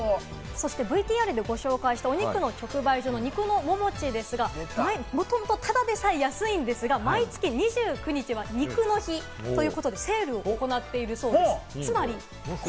ＶＴＲでご紹介したお肉の直売所・肉のモモチですが、もともと安いんですが、毎月２９日は「ニクの日」ということで、セールを行っているそうなんです。